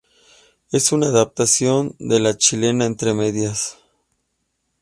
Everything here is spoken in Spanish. Es una adaptación de la chilena Entre medias.